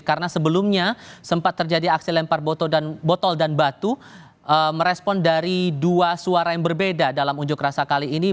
karena sebelumnya sempat terjadi aksi lempar botol dan batu merespon dari dua suara yang berbeda dalam unjuk rasa kali ini